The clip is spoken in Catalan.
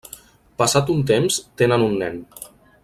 Passat un temps tenen un nen.